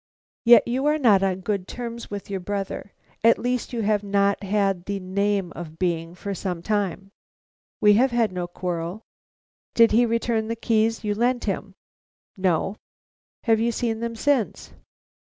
"Yet you are not on good terms with your brother; at least you have not had the name of being, for some time?" "We have had no quarrel." "Did he return the keys you lent him?" "No." "Have you seen them since?"